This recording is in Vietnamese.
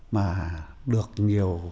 mà được nhiều